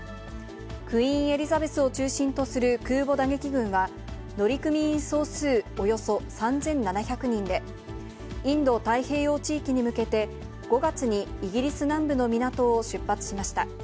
クイーン・エリザベスを中心とする空母打撃群は、乗組員総数およそ３７００人で、インド太平洋地域に向けて、５月にイギリス南部の港を出発しました。